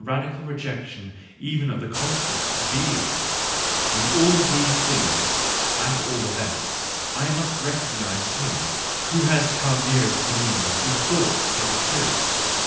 radical rejection even of the concept BttHjgf— i n all these th ings, at all events, I must recognise h im who has come nearest to me InThought hitheF to.